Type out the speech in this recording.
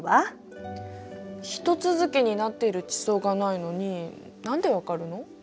ひと続きになっている地層がないのに何でわかるの？